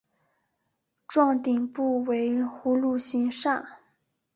幢顶部为葫芦形刹。